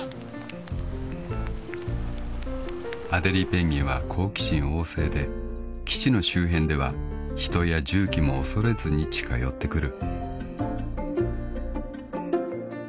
［アデリーペンギンは好奇心旺盛で基地の周辺では人や重機も恐れずに近寄ってくる］